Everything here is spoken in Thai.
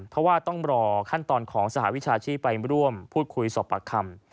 เพราะว่าต้องรอขั้นตอนของสหวิชาชีพไปร่วมพูดคุยสอบปากคำ